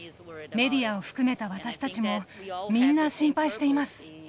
メディアを含めた私たちもみんな心配しています。